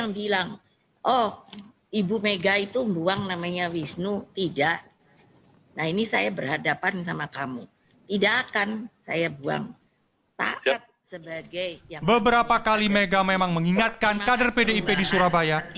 beberapa kali mega memang mengingatkan kader pdip di surabaya